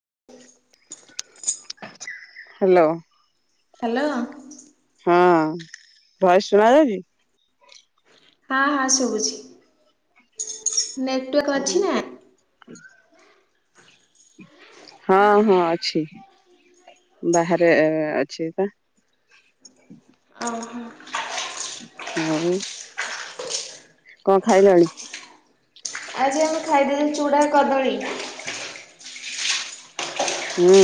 [inaudible] Hello. Hello. ହଁ voice ଶୁଣା ଯାଉଚି। ହଁ ହଁ ଶୁଭୁଚି। ନେଟୱାର୍କ ହଁ ଅଛି ନା? [inaudible] ହଁ ହଁ ଅଛି। ବାହାରେ ଅଛି ପା। ଓହୋ ଆଉ କଣ ଖାଇଲାଣି? ଆଜି ଆମେ ଖାଇଦେଲୁ ଚୁଡ଼ା କଦଳୀ। ହୁଁ।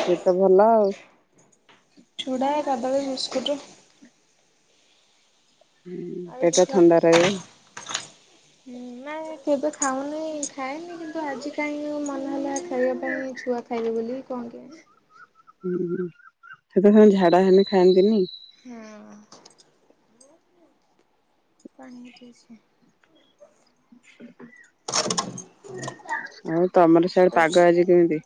ସେଏ ତ ଭଲ ଆଉ ଚୁଡ଼ା କଦଳୀ ବି ବିସ୍କୁଟ ହଁ ପଟା ଥଣ୍ଡା ର ନାଇ କେବେ ଖାଉନି ଖାଏନି କିନ୍ତୁ ଆଜି କାହିଁ ମନେ ହେଲା ଖାଇବା ପାଇଁ ଛୁଆ ଖାଇବେ ବୋଲି କଣ କି ହୁଁ ସେ ତ ସେ ଝାଡା ହେଲେ ଖାଆନ୍ତିନି ହଁ ପାଣି ଅଛି [unintelligible] ଆଉ ତମର ସିଆଡେ ପାଗ ଆଜି କେମିତି?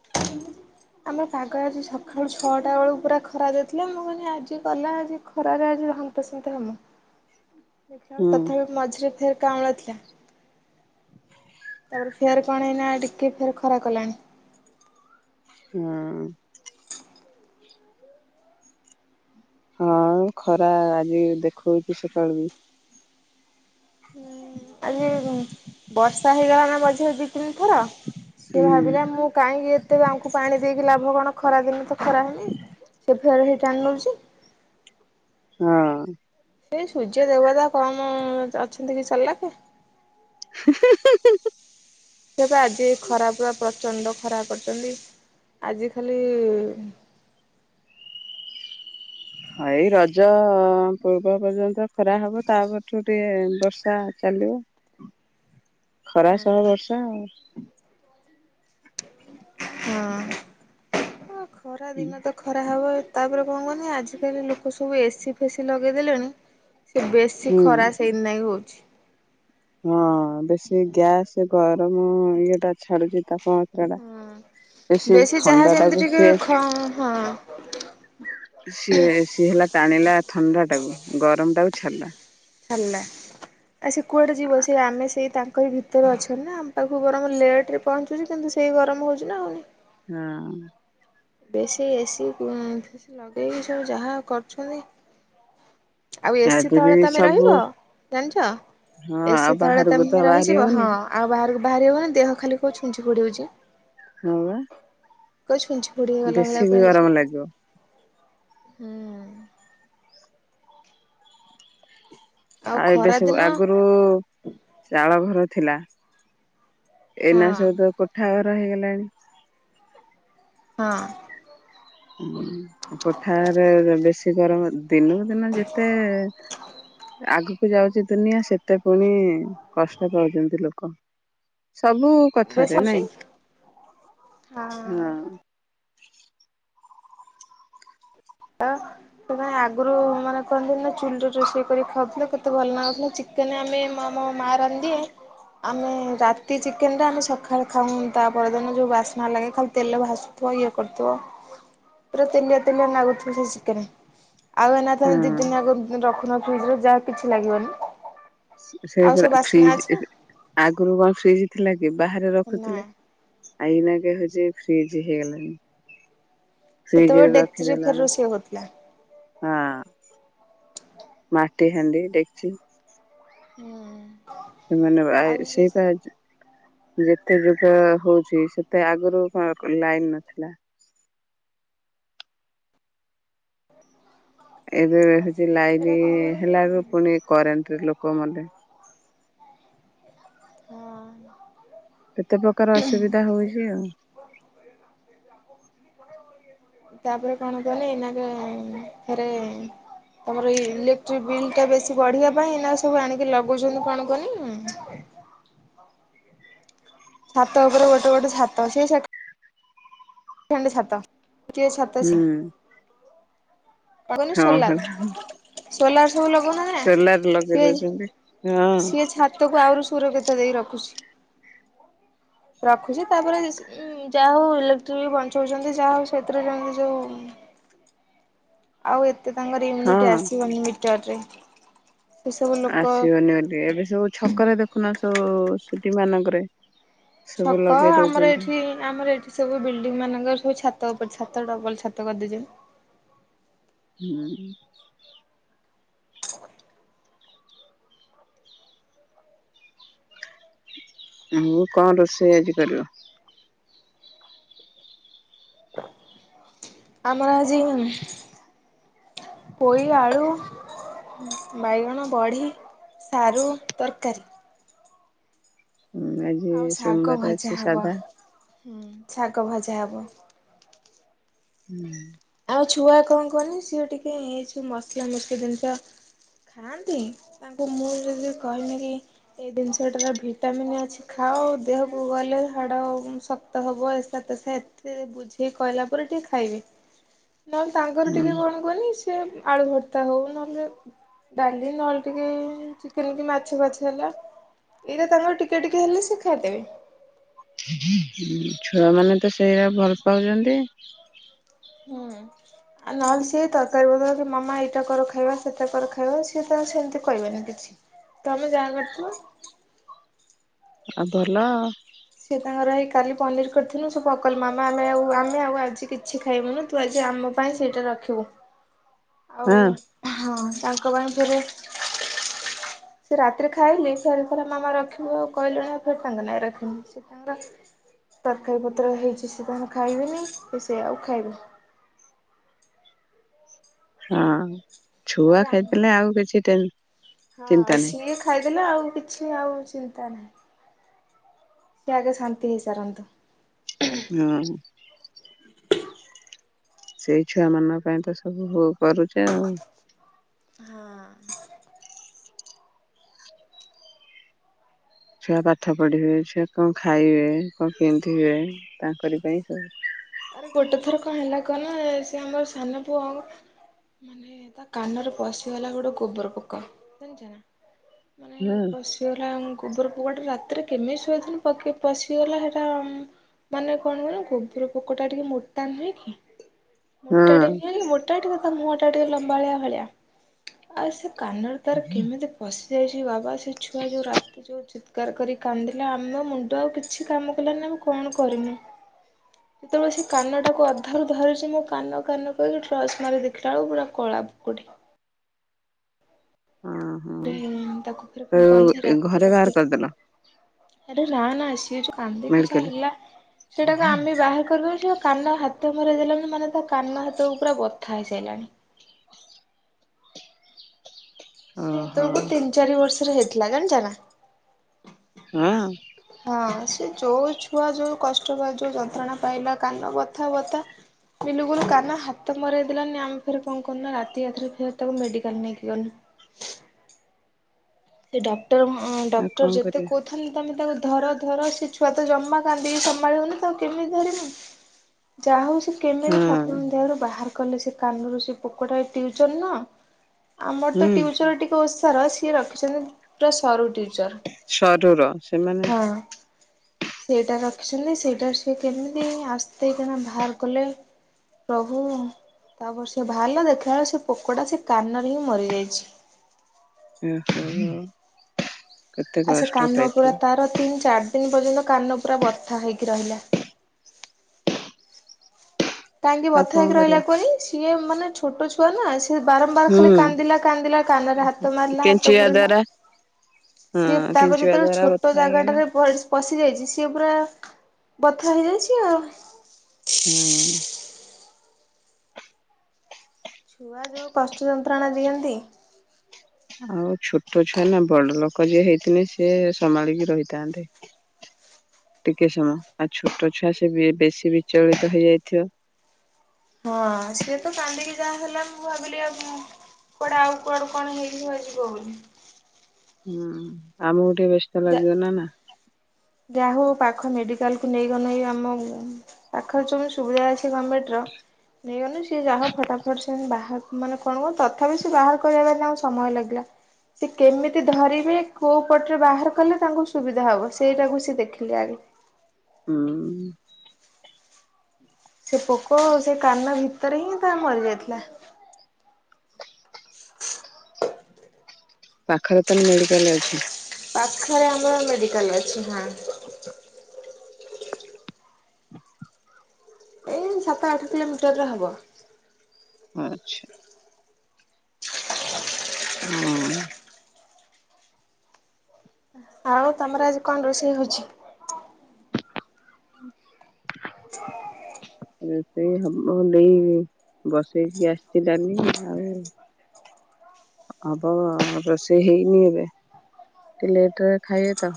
ଆମର ପାଗ ଆଜି ସବୁ ଆଳୁ ଛଅଟା ବେଳକୁ ପୁରା ଖରା ଦେଇଥିଲେ ମୁଁ କହିଲି ଆଜି ଗଲା ଆଜି ଖରାରେ ଆଜି ହନ୍ତେସନ୍ତ ହବ ଦେ ହୁଁ ତଥାପି ମଝିରେ ଥ କାମଳଥିଲା ତାପରେ ଫେର କଣ ହେଇନା ଟିକେ ଫେର ଖରା କଲାଣି ହଁ ହଁ ଖରା ଆଜି ଦେଖଉଛି ସେତେବେଳେ ବି ଆଜି [unintelligible] ବର୍ଷା ହେଇଗଲା ନା ମଝିରେ ଦି ତିନିଥର ସିଏ ହୁଁ ଭାବିଲା ମୁଁ କାହିଁକି ଏତେ ଆମକୁ ପାଣି ଦେଇକି ଲାଭ କଣ ଖ ଖରାଦିନ ତ ଖରାମି ସେ ଘରେ ସେଇ ଟଙ୍ଗଲୋରଛି ହଁ ଏଇ ସୂର୍ଯ୍ୟ ଦେବତା କମ ଅଛନ୍ତି କି ସରିଲା କେ ସେପ ଆଜି ଖରା ପୁରା ପ୍ରଚଣ୍ଡ ଖରା କରଛନ୍ତି ଆଜି ଖାଲି ହଁ ଏଇ ରଜ ପୂର୍ବ ପର୍ଯ୍ୟନ୍ତ ଖରା ହବ ତାପଠୁ ଟିକେ ବର୍ଷା ଚାଲିବ ଖରା ସହବ ବର୍ଷା ଆଉ ହ୍ ହ ଖରା ଦିନ ତ ଖରା ହେବ ତାପରେ କଣ କନି ଆଜିିକାଲି ଲୋକ ସବୁ ଏସି ଫେସି ଲଗେଇଦେଲେଣି ସେ ବେଶୀ ହୁଁ। ଖରା ସେଇଦନାକ ହେଉଛି ହଁ ବେଶୀ ଗ୍ୟାସ ଗରମ ଇଏଟା ଛାଡୁଛି ତାପମାତ୍ରା ଟା ହଁ ବ ସି ବେଶୀ ଯାହା ଥଣ୍ଡା ଯେମିତି ଟାକୁ ଟିକେ ସିଏ ଖ ହଁ ସିଏ ସିଏ ହେଲା ଟାଣିଲା ଥଣ୍ଡା ଟାକୁ ଗରମ ଟାକୁ ଛାଡ଼ିଲା ହେଲଲେ ଆ ସେ କୁଆଡେ ଯିବ ସ ସେ ଆମେ ସେଇ ତାଙ୍କ କହି ଭିତରେ ଅଛନ୍ତି ନା ଆମ ପାଖକୁ ଗରମ ଲେଟ ରେ ପହଞ୍ଚୁଛି କିନ୍ତୁ ସେଇ ଗରମ ହଉଛି ନା ଆଉନି ହଁ ବେଶୀ ଏସିୀ ଲଗେଇକି ସବୁ ଯାହା କରୁଛନ୍ତି ଆଉ ଏସିି ଆଜି ବି ତଳେ ତମେ ସବୁ ରହିବ ଜାଣିଛ ହଁ ଆଉ ଏସିି ତଳେ ବାହାରକୁ ତ ତମେ ବାହାରି ରହିଯିବ ହଉନି ହଁ ଆଉ ବାହାରକୁ ବାହାରି ହବ ନା ଦେହ ଖାଲି କୋଉ ଛୁଞ୍ଚି ପଡିାଉଛି ହଉ ପଷ୍ପନଛ ବେଶୀ ବି ଗରମ ଲାଗିବ ହୁଁ ଆଉ ଏବେ ଖରା ସବୁ ଦିନ ଆଗରୁ ଚାଳ ଘର ଥିଲା ହଁ ଏନା ସବ ତ କୋଠା ହେଇଗଲାଣି ହଁ କୋଠାରେ ବେଶୀ ଗରମ ଦିନକୁ ଦିନ ଯେତେ ଆଗ ଯାଉଛି ଦୁନିଆ ସେ ଏତେ ପୁଣି କଷ୍ଟ ପାଉଛନ୍ତି ଲୋକ ସବୁ ବେଶୀ କଥାରେ ହଉଛି ନାଇଁ ହଁ ସୋଇ ଆଗରୁ ମାନେ କହନ୍ତି ନା ଚୁଲିରେ ରୋଷେଇ କରି ଖାଉଥିଲେ କେତେ ଭଲ ଲାଗୁଥିଲା ଚିକେନ ଆମେ ମାରନ୍ତିି ଆମେ ରାତି ଚିକେନରେ ଆମେ ସକାଳେ ଖାଉନ ତା ପରଦିନ ଯୋଉ ବାସ୍ନା ଲାଗେ ଖାଲି ତେଲ ଭାସୁଥିବ ଇଏ କରୁଥିବ ପୁରା ତେଲିଆ ତେଲିଆ ନାଗୁଥିବ ଶିକରେ ଆଉ ଏଥେ ହଁ ଦି ଦିନିଆ ରଖୁନ ଫିଜ ଯାହା କିଛି ଲାଗିବନି ସୋ ଆଉ ସବୁ ବାସ୍ନା ଅଛି ଫ୍ରିଜ ନା ଆଗରୁ କଣ ଫ୍ରିଜ ଥିଲା କି ବାହାରେ ନା ରଖୁଥିଲେ ଆଇନାଗ ହଉଛି ଫ୍ରିଜ ହେଇଗଲାଣି ଫ୍ରିଜରେ ସେତେବେଳେ ଡେକ୍ଚ ରଖିଦେଲା ଫେର ର ବେଳକୁ ସେଏ ହଉଥିଲା ହଁ ମାଟି ହାଣ୍ଡି ଦେଡଖଚ ହୁଁ ସେମାନୋନେ ଆଉ ଏଇଟା ସେଇପାଇ ଯେତେ ଯୁଗ ହଉଛି ସେତେ ଆଗରୁ କଣ ଲାଇନ ନଥିଲା ଏବେ ହେଉଛି ଲାଇନ କଣ କହନି ହେଲାାରୁ ପୁଣି କରେଣ୍ଟ ଲୋକ ମତେ ହଁ ଏତେ ପ୍ରକାର ଅସୁବିଧା ହଉଛି ଆଉ ତାପରେ କଣ ଗଲେ ଥରେ ତମର ଇଲେକ୍ଟ୍ରିକ ବିଲ୍ ଟା ବେଶୀ ବଢିବା ପାଇଁ ନା ସବୁ ଆଣିକି ଲଗଉଛନ୍ତି କଣ କନି ଛାତ କଲେ ଗୋଟେ ଗୋଟେ ଛାତ ସେ ସେ ଣ୍ଡ ଛାତ ହୁଁ ଛାତଛି କନ ହଁ ଶଲା ପରା ତଲର୍ ସବୁ ଲୋକ ନା ସୋଲାର ଲଗେଇ ସିଏ ଦଉଛନ୍ତି ହଁ ସିଏ ଛାତକୁ ଆହୁରୁ ସୁରକ୍ଷିତ ଦେଇ ରଖ ରଖୁଛି ତାପରେ ଯାହା ହଉ ବି ବଞ୍ଚଉଛନ୍ତି ଯାହା ହଉ ସେଥିରେ ଯେମତି ଯୋଉ ଆଉ ଏ ଏତ ତାଙ୍କ ହଁ ଇମ୍ୟୁନିଟି ଆସିବନି [unintelligible] ଲୋକ ଆସିବନି ବୋଲି ଏବେ ସବୁ ଛକ ରେ ଦେଖୁନା ତ ସେଟିମାନଙ୍କରେ ଛକ ଆମର ଏଠି ଆମର ଏଠି ସବୁ ବିଲଡିଂ ମାନଙ୍କର ସବୁ ଛାତ [unintelligible] ଛାତ ଉପରେ ଛାତ ଟା ଭ ଛାତ କରିଦେଇଛ ହୁଁ ମୁଁ କଣ ରୋଷେଇ ଆଜିିକାଲି ଆମର ଆଜି ପୋଇ ଆଳୁ ବାଇଗଣ ବଢ଼ି ସାରୁ ତରକାରୀ ହଁ ଆଜି ଆଉ ଶାଗ ସୋମବାରଛି ସାଧା ଛା କ ଭଜ ଆବ ହୁଁ ମୋ ଛୁଆ କଣ କହନି ସିଏ ଟିକିଏ ଏଇସବୁ ମସଲା ମସଲା ଜିନିଷ ଖାଆନ୍ତି ତାଙ୍କୁ ମୁଁ ଯଦି କହିବି କି ଏଇ ଜିନିଷଟାର ଭିଟାମିନ୍ ଅଛି ଖାଅ ଦେହକୁ ଗଲେ ହାଡ଼ ଶକ୍ତ ହେବ ଏସା ତେସା ଏତେ ବୁଝେଇ କହିଲା ପରେ ଟିକିେ ଖାଇବେ ନହଲେ ସାଙ୍ଗର ଟିକେ କଣ କନଛି ସେ ଆଳୁ ଭର୍ତ୍ତା ହଉ ନହେଲେ ଡାଲି ନହେଲେ ଟିକେ ଚିକେନ କି ମାଛ ଫାଛ ହେଲା ଏଇଟା ତାଙ୍କର ଟିକେ ଟିକେ ହେଲେ ସେ ଖାଇଦେବେ ଛୁଆମାନୋନେ ତ ସେଇଟା ଭଲ ପାଉଛନ୍ତି ହୁଁ ଆଉ ନହେଲେ ସିଏ ତରକାରୀ ବଦବ କି ମାମା ଏଇଟା କର ଖାଇବା ସେଟା କର ଖାଇବା ସିଏ ତ ସେମିତି କହିବନି କିଛି ତମେ ଯାହା କରିଥିବା ଆଦଲ ଏଇ କାଲି ପନିର କରିଥିଲୁ ସ ପକଲ ମାମା ଆମେ ଆ ଆମେ ଆଉ ଆଜି କିଛି ଖାଇବୁନୁ ତୁ ଆଜି ଆମ ପାଇଁ ସେଇଟା ରଖିବୁ ହଁ ଆଉ ହଁ ତାଙ୍କ ପାଇଁ ଫରେ ସେ ରାତିରେ ଖାଇଲି ଫର ଫର ମାମା ରଖିବୁ ଆଉ କହିଲେଣି ଫେର ତାଙ୍କ ନାଇଁ ରଖିନି ସେ ତାଙ୍କର ତରକାରୀ ପତ୍ର ହେଇଛି ସେ ତାଙ୍କୁ ଖାଇବେନି କି ସେ ଆଉ ଖାଇବେ ହଁ ଛୁଆ ତାପରେ ଆ ଖାଇଦେଲେ ଆଉ କିଛି ଟେନ୍ ଚିନ୍ତା ହଁ ନାହିଁ। ସ ଖାଇଦେଲେ ଆଉ କିଛି ଆଉ ଁ ସେ ଆଗେ ଶାନ୍ତି ହେଇସାରନ୍ତୁ ହଁ ସେଇ ଛୁଆମାନାନଙ୍କ ପାଇଁ ତ ସବୁ କରୁଛେ ଆଉ ହଁ ଛୁଆ ପାଠ ପଢିବେ ଛୁଆ କଣ ଖାଇବେ ଲୋକ କେମିତି ହୁଏ ତାଙ୍କ ପାଇଁ [inaudible] ଆରେ ଗୋଟେ ଥର କଣ ହେଲା କନା ସେ ଆମର ସାନ ପୁଅ ମାନେ ତା କାନରେ ପଶିଗଲା ଗୋଟେ ଗୋବର ପୋକ ଜଣିଛ ନା ମାନେ ହଁ ପଶଲା ଗୋବର ଗୋଟେ ରାତିରେ କେମିତି ଶୋଇଥିଲ ପଶିଗଲା ସେଟା ମାନେ କଣ କହନ ଗୋବର ପୋକଟା ଟିକେ ମତ୍ତାନ ନୁହେଁ କି? ମୁୋଟା ହଁ ଟଁ ମୁୋଟା ଟ ତା ମୁହଁ ଟା ଟିକେ ଲମ୍ବାଳିଆ ଭଳିଆ ଆଉ ସେ କାନଡ଼ ତାର କେମିତି ପଶଦ୍ ସେ ବାବା ସେ ଛୁଆ ଯୋଉ ରାତି ଯୋଉ ଚିତ୍କାର କରିି କାନ୍ଦିଲା ଆମେ ମୁଣ୍ଡ ଆଉ କିଛି କାମ କଲା କଣ କରିମୁ ଯେତେବେଳେ ସେ କାନଟାକୁ ଅଧାରୁ ଧରିଛି ମୁଁ କାନ କାନ କରିକି ଡ୍ରସ୍ ମାରି ଦେଖିଲା ବେଳକୁ ପୁରା କଳା ବୁକୁଠି ହଁ ହଁ। ତାକୁ ଫରେ କନ ଆଉ ରାତି ଘରେ ବାହାର ରାତି କରିଦେଲ ଆରେ ରା ନା ଆସିବ ଯୋଉ କାନ୍ଦିକି ଯାହା ମେଡିକାଲ ହେଲା ସେଟାକୁ ଆମେ ବାହାର କରି ସେ କାନ ହାତ ମର ଦେଲା ମାନେ ତା କାନ ହାତରୁ ପୁରା ବଥା ହେଇସାରିଲାଣି ସେି ଓହୋ ତକୁ ତିନି ଚାରି ବର୍ଷ ହେଇଥିଲା କଣ ଜ ହଁ ହଁ ସେ ଯୋଉ ଛୁଆ ଯୋଉ କଷ୍ଟ ଯୋଉ ଯନ୍ତ୍ରଣା ପାଇଲା କାନ ବଥା ବଥା ବିଲକୁଲ କାନ ହାତ ମରଇ ଦେଲାନି ଆମେ ଫେର କଣ କରୁନ ରାତିଥରେ ଫ ତାକୁ ମେଡିକାଲ ନେଇକି ଗନୁ ସେ ଡଟ ଡଟର ଆଉ ଡକ୍ଟର କଣ ଯେତେ କରିବା କହୁଥାନ୍ତି ତମେ ତାକୁ ଧର ଧର ସେ ଛୁଆ ତ ଜମା କାନ୍ଦିକି ସମ୍ଭାଳି ହଉନି ତଉ କେମିତି ଧରିମୁ ଯାହା ହଉ। ସେ କେମ ବି ହଁ ଠାକୁରଙ୍କ ଦେହରୁ ବାହାର କଲେ ସେ କାନରୁ ସେ ପୋକଟା ଉଚନ ନା ଆମର ତ ହୁଁ ଟଟିଉଚର ଟିକେ ଅ ସରସ ସ ରଖ ସେ ପୁରା ସରୁ ଉଠିଛି। ସରୁର ସେମାନେ ସେଇଟା ରଖିଛନ୍ତି ସେଇଟାରେ ସିଏ କେମିତି ଆସ କଣା ବାହାର କଲେ ପ୍ରଭୁ ତାପରେ ସେ ଭଲ ଦେଖିଲା ବେଳେ ସେ ପୋକଟା ସେ କାନରେ ହିଁ ମରିଯାଇଛି। ଆଛା ଆ ସେ କାନ ପୁରା ତାର ତିନି ଚାରି ଦିନ ଏ ପର୍ଯ୍ୟନ୍ତ କାନ ପୁରା ବଥା ହେଇକି ରହିଲା। କାହିଁକି ଆଉ ବଥା କଣ ହେକି ରହିଲା କରିବ ପରେ ସିଏ ମାନେ ଛୋଟ ଛୁଆ ନା ଆସି ସେ ବାରମ୍ବାର ଖାଲି ହୁଁ କାନ୍ଦିଲା କାନ୍ଦିଲା କାନରେ ହାତ ମାରିଲା ହାତ କେଞ୍ଚିବା ପୁୁରିଲା ଦ୍ଵାରା ସିଏ ହଁ ତାପରେ କେଞ୍ଚିବା ତର ଦ୍ଵାରା ଛୋଟ ବଥା ହେଇଗଲା ଜାଗାଟାରେ ପଶି ଯାଇଛି ସିଏ ପୁରା ବଥା ହେଇଯାଇଛି ଆଉ। ହୁଁ ଛୁଆ ଯୋଉ ପଷ୍ଟୁ ଯନ୍ତ୍ରଣା ଦିଅନ୍ତି। ଆଉ ଛୋଟ ଛୁଆ ନା ବଡ ଲୋକ ଯିଏ ହେଇନ ସିଏ ସମ୍ଭାଳିକି ରହିଥାନ୍ତିେ ଟିକେ ସମୟ ଆ ଛୋଟ ଛୁଆ ସେ ବେଶୀ ବିଚଳିତ ହେଇଯାଇଥିବ। ହଁ ସିଏ ତ କାନ୍ଦିକି ଯାହା ହେଲା ମୁଁ ଭାବିଲି ଆଉ କୁଆଡେ ଆଉ କୁଆଡୁ କଣ ହେଇକି ଯିବ ବୋଲି। ହୁଁ ଆମ ଟିକେ ବ୍ୟସ୍ତ ଲାଗିବ ନା ନା। ଯା ହଉ ପାଖ ମେଡିକାଲ କୁ ନେଇଗନୁ ଏଇ ଆମ ପାଖରେ ଯୋଉି ସୁବିଧା ଅଛି ଗଭର୍ଣମେଣ୍ଟ ର ନେଇଗନେ ସି ଯା ହଉ ଫଟାଫଟ ସେ ବା ମାନେ କଣ କ ତଥାପି ସେି ବାହାର କରିବା ତାଙ୍କୁ ସମୟ ଲାଗିଲା ସେି କେମିତି ଧରିବେ କୋଉ ପଟରେ ବାହାର କଲେ ତାଙ୍କୁ ସୁବିଧା ହବ। ସେଇଟାକୁ ସେ ଦେଖିଲେ ଆଗେ। ହୁଁ। ସେ ପୋକ ସେ କାନ ଭିତରେ ହିଁ ତା ମରି ଯାଇଥିଲା। ପାଖରେ ତାଲେ ମେଡିକାଲ୍ ଅଛି। ପାଖରେ ଆମର ମେଡିକାଲ୍ ଅଛି ହଁ। ଏଇ ସାତ ଆଠ କିଲୋମିଟର ରେ ହବ। ଆଛା। ହଁ। ଆଉ ତମର ଆଜି କଣ ରୋଷେଇ ହଉଛି। [inaudible] [inaudible] ସେଇ ହବ ସେଇ ବସେଇକି ଆସିଚି ଡାଲି ଆଉ ହବ ରୋଷେଇ ହେଇନି ଏବେ ଟିକେ ଲେଟରେ ଖାଇ ଏତ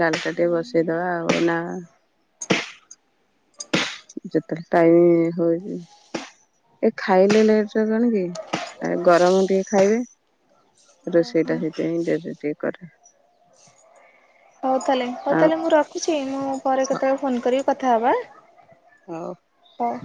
ଡାଲିଟା ଟିକେ ବସେଇଦବା ଆଉ ନା ଯେତେବେଳେ ଟାଇମ୍ ହଉଛି ଏ ଖାଇଲେ ଲେଟ୍ ରେ କଣ କି ଗରମ ଟିକେ ଖାଇବେ ରୋଷେଇ ଟା ସେଥିପାଇଁ ଡେରିରେ ଟିକେ କରେ। ହଉ ତାହେଲେ ହଉ ଆଉ ତାହଲେ ମୁଁ ରଖିଛି ମୁଁ ପରେ କେତେବେଳେ ଫୋନ କରି କଥା ହବା। ହଉ। ହଉ।